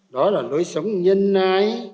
đó là nối sống nhân ái